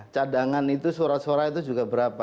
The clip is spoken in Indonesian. cadangan itu surat suara itu juga berapa